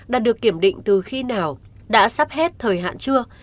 đã được kiểm định từ khi nào đã sắp hết thời hạn chưa